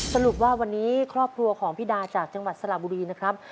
สรุปว่าวันนี้ครอบครัวของพี่ดาจากจังหวัดสระบุรีนะครับ